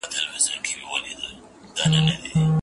د کتاب لوستل د فکر پراختيا او د نويو نظرونو سرچينه ده.